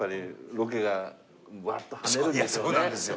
そうなんですよ。